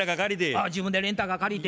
あっ自分でレンタカー借りて。